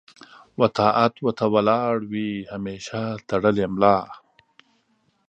و طاعت و ته ولاړ وي همېشه تړلې ملا